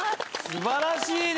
素晴らしいですね。